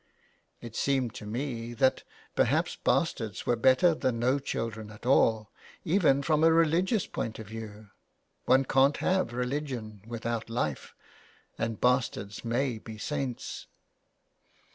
It seemed to me that perhaps bastards were better than no children at all, even from a religious point of view — one can't have religion without life, and bastards may be saints.